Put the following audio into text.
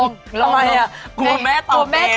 กลัวแม่ตอบ